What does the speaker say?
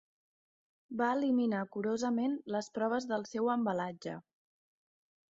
Va eliminar curosament les proves del seu embalatge.